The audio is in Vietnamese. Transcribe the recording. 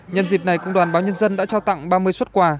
nhân dịp này công đoàn báo nhân dân đã trao tặng ba mươi xuất quà